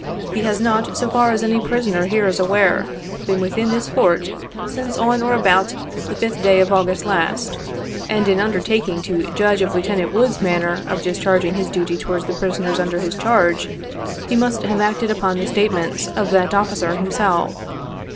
He has not, so far as any prisoner here is aware, been within this Fort since on or about the 5th day of August last, and in undertaking to judge of Lieutenant Wood's manner of discharging his duty towards the prisoners under his charge, he must have acted upon the state ments of that officer himself.